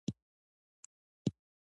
د پښو د پاکوالي لپاره باید څه شی وکاروم؟